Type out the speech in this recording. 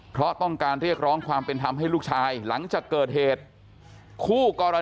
เพราะต้องการเรียกร้องความเป็นธรรมให้ลูกชายหลังจากเกิดเหตุคู่กรณี